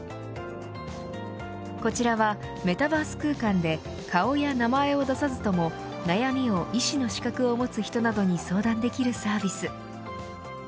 こちらは、メタバース空間で顔や名前を出さずとも悩みを医師の資格を持つ人などに相談できるサービス。